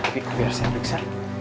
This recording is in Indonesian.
bibi biar saya periksa